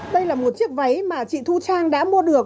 đây là một chiếc váy mà chị thu trang đã mua được